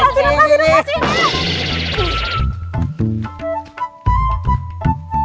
kasih nek kasih nek kasih